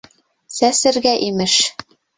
— Сәсергә, имеш!